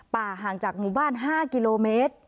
ห่างจากหมู่บ้าน๕กิโลเมตร